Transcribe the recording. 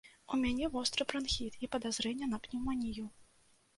У мяне востры бранхіт і падазрэнне на пнеўманію.